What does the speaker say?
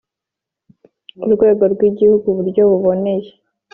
urwego rw Igihugu uburyo buboneye